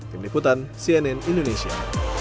tim liputan cnn indonesia